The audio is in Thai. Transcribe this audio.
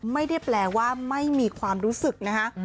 ไม่ได้แปลว่าไม่มีความรู้สึกนะคะ